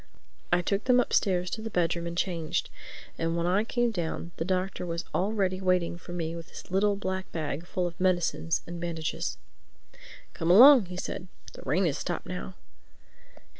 I took them upstairs to the bedroom and changed, and when I came down the Doctor was all ready waiting for me with his little black bag full of medicines and bandages. "Come along," he said. "The rain has stopped now."